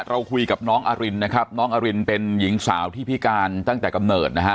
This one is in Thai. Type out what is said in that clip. เราคุยกับน้องอรินนะครับน้องอรินเป็นหญิงสาวที่พิการตั้งแต่กำเนิดนะฮะ